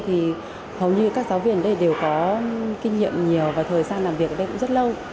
thì hầu như các giáo viên ở đây đều có kinh nghiệm nhiều và thời gian làm việc ở đây cũng rất lâu